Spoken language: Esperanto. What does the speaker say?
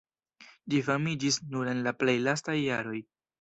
Ĝi famiĝis nur en la plej lastaj jaroj.